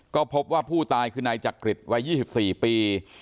ก็พบว่าผู้ตายคือนายจักริตวัย๒๔ปี